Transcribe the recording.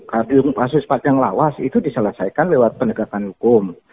kasus kasus padang lawas itu diselesaikan lewat penegakan hukum